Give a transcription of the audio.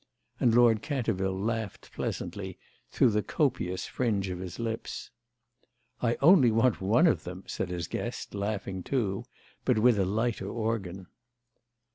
And Lord Canterville laughed pleasantly through the copious fringe of his lips. "I only want one of them," said his guest, laughing too, but with a lighter organ.